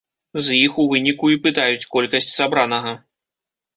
З іх у выніку і пытаюць колькасць сабранага.